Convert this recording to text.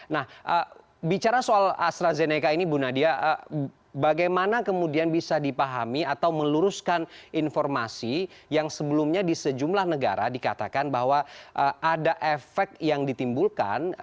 nah bicara soal astrazeneca ini bu nadia bagaimana kemudian bisa dipahami atau meluruskan informasi yang sebelumnya di sejumlah negara dikatakan bahwa ada efek yang ditimbulkan